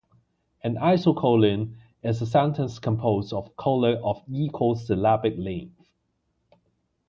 An isocolon is a sentence composed of cola of equal syllabic length.